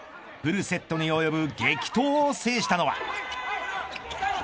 フルセットに及ぶ激闘を制したのは。